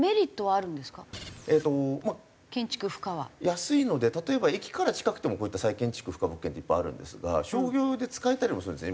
安いので例えば駅から近くてもこういった再建築不可物件っていっぱいあるんですが商業用で使えたりもするんですね。